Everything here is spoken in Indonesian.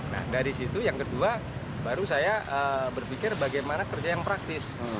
nah dari situ yang kedua baru saya berpikir bagaimana kerja yang praktis